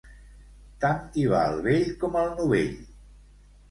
Tant hi va el vell com el novell.